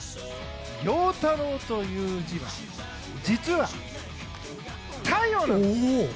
陽太郎という字は実は、太陽なんです。